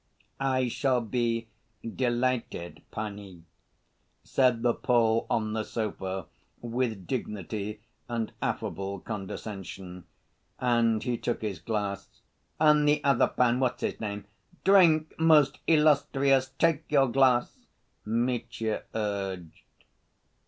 "I shall be delighted, panie," said the Pole on the sofa, with dignity and affable condescension, and he took his glass. "And the other pan, what's his name? Drink, most illustrious, take your glass!" Mitya urged.